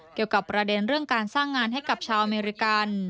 เกี่ยวกับประเด็นเรื่องการสร้างงานให้กับชาวอเมริกัน